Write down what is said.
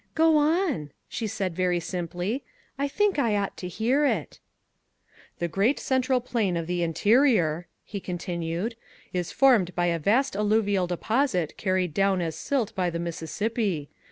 "Go on," she said very simply; "I think I ought to hear it." "The great central plain of the interior," he continued, "is formed by a vast alluvial deposit carried down as silt by the Mississippi.